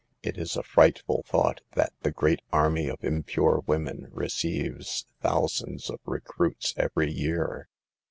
It is a frightful thought that the great army of impure women receives thou sands of recruits every year.